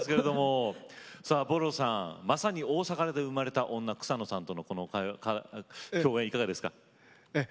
ＢＯＲＯさん、まさに大阪で生まれた女、草野さんと共演いかがですか。